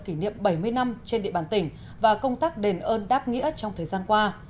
kỷ niệm bảy mươi năm trên địa bàn tỉnh và công tác đền ơn đáp nghĩa trong thời gian qua